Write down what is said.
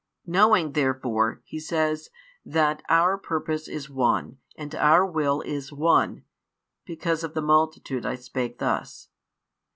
Knowing therefore, He says, that Our purpose is one and Our will one, because of the multitude I spake thus.